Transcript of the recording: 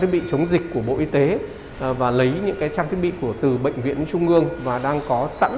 bị chống dịch của bộ y tế và lấy những trang thiết bị của từ bệnh viện trung ương và đang có sẵn